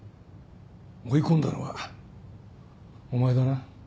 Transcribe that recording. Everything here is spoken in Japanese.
追い込んだのはお前だな